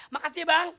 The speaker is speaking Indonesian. makasih ya bang